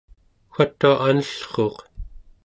watua anellruuq